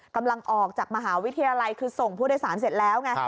กำลังออกจากมหาวิทยาลัยคือส่งผู้โดยสารเสร็จแล้วไง